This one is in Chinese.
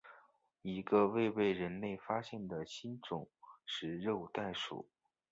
一个未被人类发现的新种食肉袋鼠。